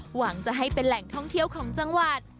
หวังจะให้เป็นแหล่งท่องเที่ยวของจังหวัด